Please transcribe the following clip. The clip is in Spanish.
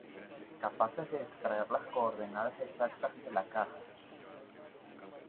capaces de extraer las coordenadas exactas de la caja.